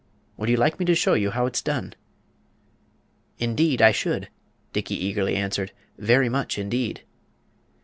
Would you like me to show you how it's done?" "Indeed, I should," Dickey eagerly answered; "very much, indeed."